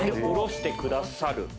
おろしてくださる。